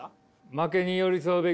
負けに寄り添うべき。